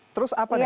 terus apa nih